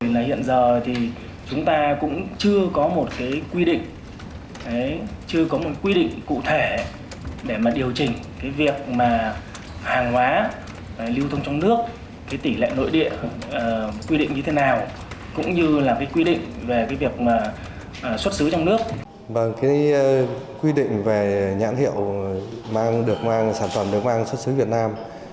nên dành đến các khu vực trung tâm hình ảnh nhãn hiệu mang được sản phẩm đều mang xuất xứ việt nam